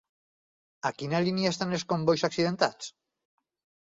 A quina línia estan els combois accidentats?